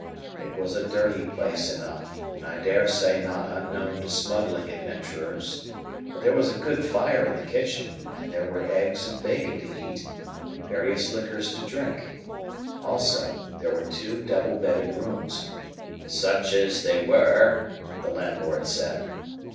It was a dirty place enough, and I dare say not unknown to smuggling adventurers; but there was a good fire in the kitchen, and there were eggs and bacon to eat, and various liquors to drink. Also, there were two double bedded rooms,—"such as they were," the landlord said.